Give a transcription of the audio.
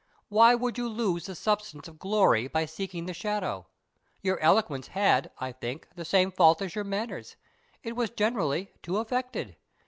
Why would you lose the substance of glory by seeking the shadow? Your eloquence had, I think, the same fault as your manners; it was generally too affected.